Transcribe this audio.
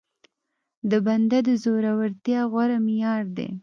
د بنده د زورورتيا غوره معيار دی.